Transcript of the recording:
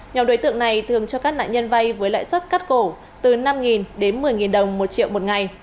nhóm đối tượng này thường cho các nạn nhân vay với lãi suất cắt cổ từ năm đến một mươi đồng một triệu một ngày